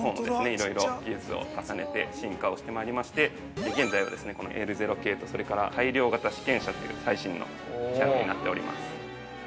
いろいろ技術を重ねて進化をしてまいりまして現在は、このＬ０系とそれから、改良型試験車という最新の車両になっております。